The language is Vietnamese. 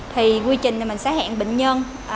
thì quy trình mình sẽ hẹn bệnh nhân